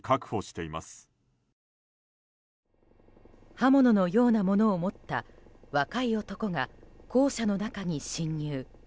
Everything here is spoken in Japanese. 刃物のようなものを持った若い男が校舎の中に侵入。